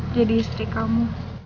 jadi istri kamu